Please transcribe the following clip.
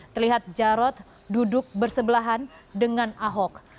terlihat jarod duduk bersebelahan dengan ahok